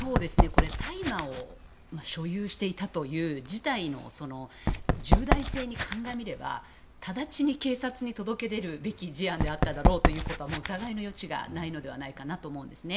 これ大麻を所有していたという事態の重大性にかんがみれば直ちに警察に届け出るべき事案であっただろうということは疑いの余地がないのではないかと思うんですね。